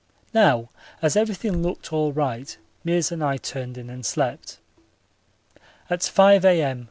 Now as everything looked all right, Meares and I turned in and slept. At 5 A.M.